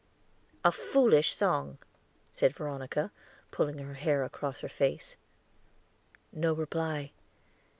"A foolish song," said Veronica, pulling her hair across her face. No reply.